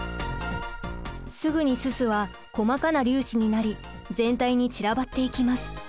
すぐにすすは細かな粒子になり全体に散らばっていきます。